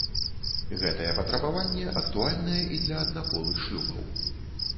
Гэтае патрабаванне актуальнае і для аднаполых шлюбаў.